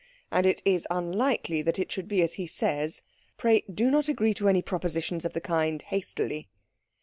And it is unlikely that it should be as he says. Pray do not agree to any propositions of the kind hastily."